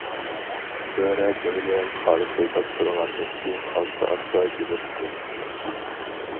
بۆرە بىردەم خارتىلداپ تۇرغاندىن كىيىن ئاستا- ئاستا جىمىپ قالدى.